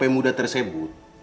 pemuda tersebut sekarang apa yang mau